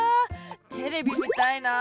テレビみたいな。